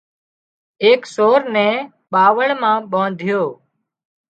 هانَ ايڪ سور نين ٻاوۯ مان ٻانڌيو